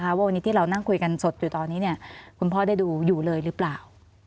ว่าวันนี้ที่เรานั่งคุยกันสดอยู่ตอนนี้คุณพ่อได้ดูอยู่เลยหรือเปล่า